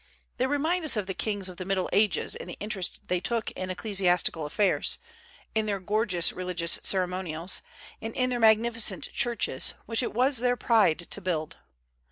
They remind us of the kings of the Middle Ages in the interest they took in ecclesiastical affairs, in their gorgeous religious ceremonials, and in their magnificent churches, which it was their pride to build.